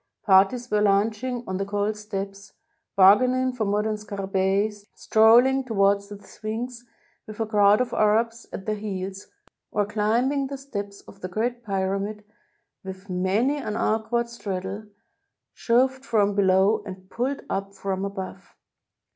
Parties were lunching on the cold steps, bargain ing for modem scarabcBi, strolling towards the Sphinx with a crowd of Arabs at their heels, or climbing the steps of the Great P^Tamid with many an awkward straddle, shoved from below and pulled up from above.